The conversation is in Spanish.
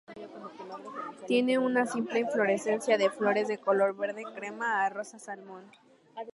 Tiene una simple inflorescencia de flores de color verde crema a rosa salmón.